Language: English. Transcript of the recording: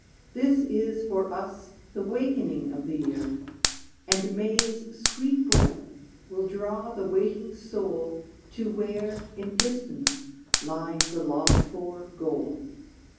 This is for us the wakening of the year And May's sweet breath will draw the waiting soul To where in distance lies the longed for goal.